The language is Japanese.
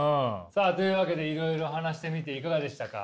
さあというわけでいろいろ話してみていかがでしたか？